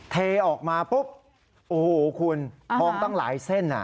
เทออกมาปุ๊บโอ้โหคุณทองตั้งหลายเส้น